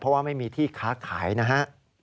เพราะว่าไม่มีที่ค้าขายนะฮะ